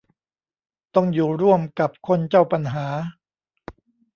ต้องอยู่ร่วมกับคนเจ้าปัญหา